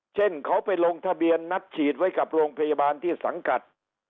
เช่นเขาไปลงทะเบียนนัดฉีดไว้กับโรงพยาบาลที่สังกัด